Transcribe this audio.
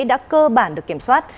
đã cơ bản được kiểm soát